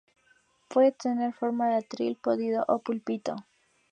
Puede tener forma de atril, podio o púlpito.